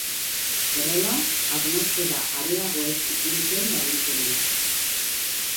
Horrela, atmosfera areago ez zikintzen laguntzen du.